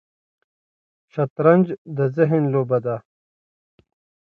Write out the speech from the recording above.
شطرنج د ذهن لوبه ده